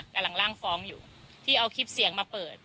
กำลังร่างฟ้องอยู่ที่เอาคลิปเสียงมาเปิด